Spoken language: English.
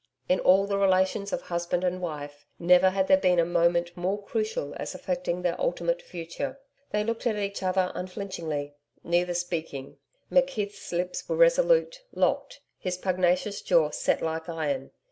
In all the relations of husband and wife, never had there been a moment more crucial as affecting their ultimate future. They looked at each other unflinchingly, neither speaking. McKeith's lips were resolute, locked, his pugnacious jaw set like iron.